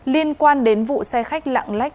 liên quan đến vụ xe khách lặng lách